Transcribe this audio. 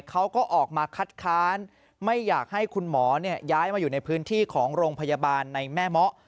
เขาก็ออกมาคัดค้านไม่อยากให้คุณหมอย้ายมาอยู่ในพื้นที่ของโรงพยาบาลในแม่เมาะ